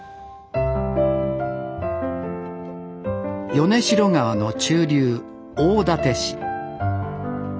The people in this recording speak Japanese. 米代川の中流大館市。